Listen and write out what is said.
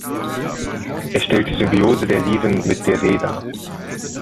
Er stellt die Symbiose der Liven mit der See dar.